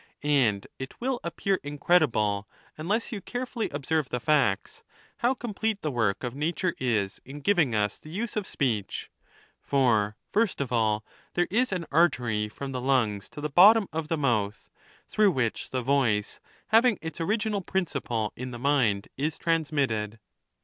And it will appear incredible, unless you carefully ob serve the facts, how complete tljje work of nature is in giving us the use of speech; for, first of all, there is an artery from the lungs to the bottom of the mouth, through which the voice, having its original principle in the mind, is transmitted.